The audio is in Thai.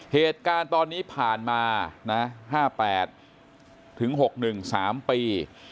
เหตุการณ์ตอนนี้ผ่านมา๕๘ถึง๖๑๓ปี